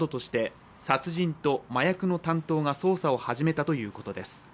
殺人と麻薬の担当が捜査を始めたということです。